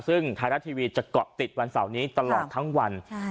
ซึ่งไทยรัฐทีวีจะเกาะติดวันเสาร์นี้ตลอดทั้งวัน